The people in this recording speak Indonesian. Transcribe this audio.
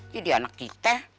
jadi anak kita